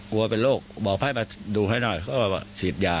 กลัวเป็นโรคบอกเข้ามาดูให้หน่อยก็ก็บอกว่าฉีดยา